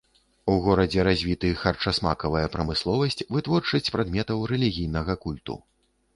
У горадзе развіты харчасмакавая прамысловасць, вытворчасць прадметаў рэлігійнага культу.